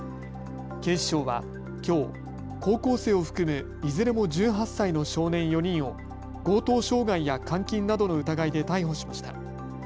警視庁は、きょう高校生を含むいずれも１８歳の少年４人を強盗傷害や監禁などの疑いで逮捕しました。